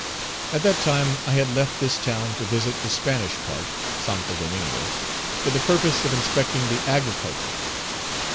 At that time I had left Page 296 this town to visit the Spanish part, Santo Domingo, for the purpose of inspecting the agriculture.